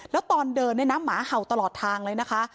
แล้วตอนเดินเนี่ยนะหมาเห่าตลอดทางเลยนะคะ